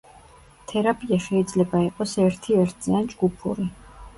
თერაპია შეიძლება იყოს ერთი-ერთზე, ან ჯგუფური.